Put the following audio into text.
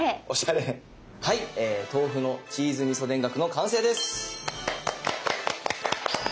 はい「豆腐のチーズみそ田楽」の完成です。